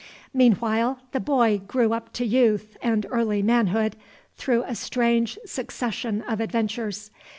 Meantime the boy grew up to youth and early manhood through a strange succession of adventures.